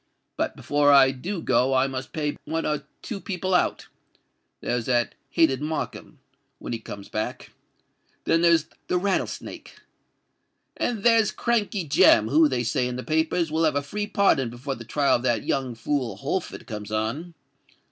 But before I do go I must pay one or two people out:—there's that hated Markham—when he comes back; then there's the Rattlesnake; and there's Crankey Jem, who, they say in the papers, will have a free pardon before the trial of that young fool Holford comes on.